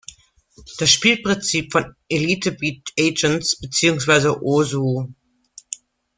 Das Spielprinzip von "Elite Beat Agents" beziehungsweise "Osu!